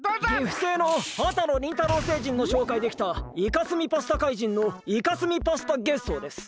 岐阜星の波多野倫太郎星人の紹介できたいかすみパスタ怪人のいかすみパスタゲッソーです。